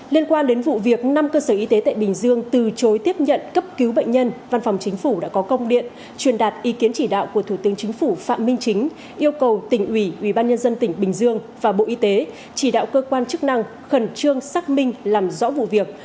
liên quan đến vụ việc năm cơ sở y tế tại bình dương từ chối tiếp nhận cấp cứu bệnh nhân văn phòng chính phủ đã có công điện truyền đạt ý kiến chỉ đạo của thủ tướng chính phủ phạm minh chính yêu cầu tỉnh ủy ubnd tỉnh bình dương và bộ y tế chỉ đạo cơ quan chức năng khẩn trương xác minh làm rõ vụ việc